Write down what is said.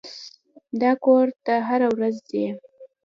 دا کور ته هره ورځ ځي.